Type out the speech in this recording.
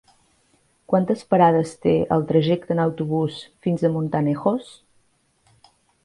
Quantes parades té el trajecte en autobús fins a Montanejos?